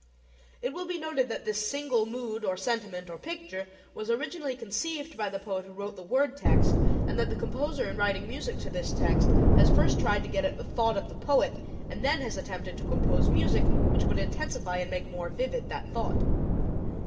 It will be noted that this "single mood, or sentiment, or picture" was originally conceived by the poet who wrote the word text, and that the composer in writing music to this text has first tried to get at the thought of the poet, and has then attempted to compose music which would intensify and make more vivid that thought.